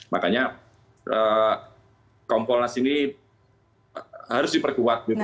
makanya kompolnas ini harus diperkuat